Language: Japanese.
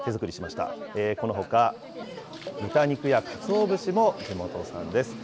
このほか、豚肉やかつお節も地元産です。